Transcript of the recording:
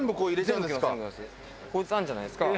こいつあるじゃないですか。